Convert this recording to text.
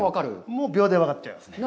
もう秒で分かっちゃいますね。